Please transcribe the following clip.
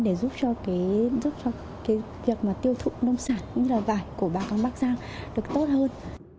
để giúp cho cái việc mà tiêu thụ nông sản như là vải của bà con bắc giang được tốt hơn